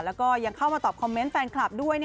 แล้วก็ยังเข้ามาตอบคอมเมนต์แฟนคลับด้วย